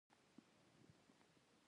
چی په تاسی کی تر ټولو ډیر پرهیزګاره وی